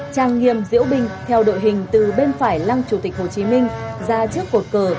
trang nghiêm diễu binh theo đội hình từ bên phải lăng chủ tịch hồ chí minh ra trước cột cờ